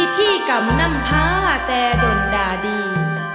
ที่กำบินไทย